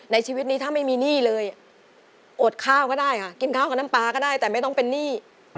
ในชีวิตนี้ถ้าไม่มีหนี้เลยอดข้าวก็ได้ค่ะกินข้าวกับน้ำปลาก็ได้แต่ไม่ต้องเป็นหนี้